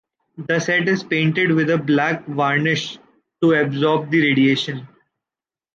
The set is painted with a black varnish to absorb the radiation.